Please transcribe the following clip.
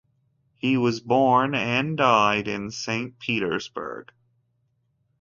He was born and died in Saint Petersburg.